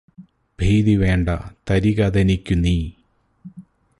ഭീതിവേണ്ടാ; തരികതെനിക്കു നീ.